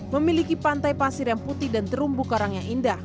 memiliki pantai pasir yang putih dan terumbu karang yang indah